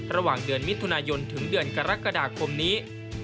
ระหว่างเดือนมิถุนายนถึงเดือนกรกฎาคมนี้